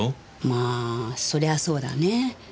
まあそりゃそうだね。